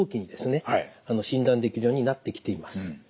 診断できるようになってきています。